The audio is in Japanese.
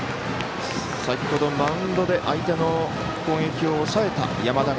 先ほど、マウンドで相手の攻撃を抑えた山田。